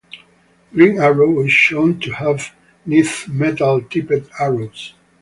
Green Arrow is shown to have Nth metal tipped arrows.